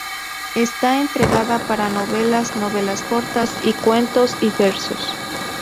Está entregada para novelas, novelas cortas y cuentos, y versos.